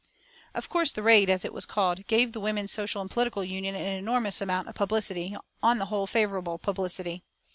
Of course the raid, as it was called, gave the Women's Social and Political Union an enormous amount of publicity, on the whole, favourable publicity.